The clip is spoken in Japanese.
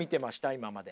今まで。